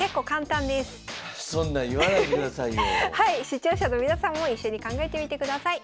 視聴者の皆さんも一緒に考えてみてください。